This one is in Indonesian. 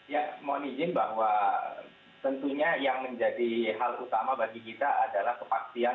ya mohon izin bahwa tentunya yang menjadi hal utama bagi kita adalah kepastian